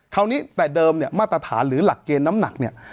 คราวนี้แต่เดิมเนี่ยมาตรฐานหรือหลักเกณฑ์น้ำหนักเนี่ย